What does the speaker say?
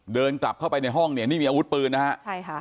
เดินกลับเข้าไปในห้องเนี่ยนี่มีอาวุธปืนนะฮะใช่ค่ะ